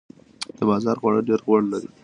د بازار خواړه ډیر غوړ لري.